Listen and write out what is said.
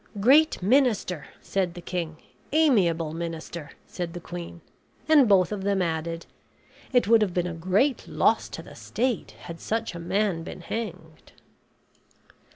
"Great minister!" said the king. "Amiable minister!" said the queen; and both of them added, "It would have been a great loss to the state had such a man been hanged."